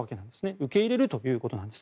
受け入れるということです。